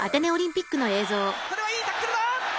「これはいいタックルだ！